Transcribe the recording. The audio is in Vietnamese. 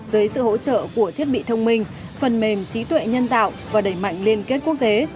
dưới sự hỗ trợ của thiết bị thông minh phần mềm trí tuệ nhân tạo và đẩy mạnh liên kết quốc tế